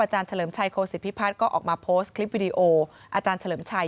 เฉลิมชัยโคศิพิพัฒน์ก็ออกมาโพสต์คลิปวิดีโออาจารย์เฉลิมชัย